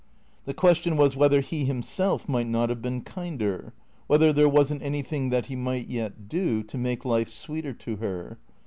The question was whether he himself might not have been kinder; whether there was n't anything that he might yet do to make life sweeter to her.